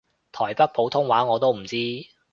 台北普通話我都唔知